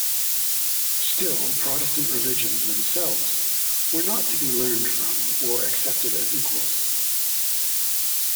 Still, Protestant religions themselves were not to be learned from or accepted as equals.